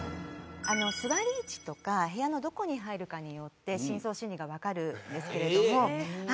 座り位置とか部屋のどこに入るかによって深層心理がわかるんですけれども。